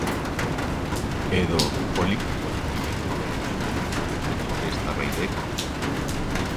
Edo, poliki-poliki bikotearekin amaitu egiten dute eztabaidek?